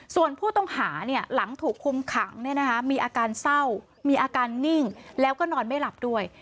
ส่วนผู้ต้องหาหลังถูกคุมขังมีอาการเศร้ามีอาการนิ่งแล้วก็นอนไม่หลับด้วย